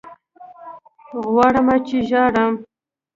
غواړمه چې ژاړم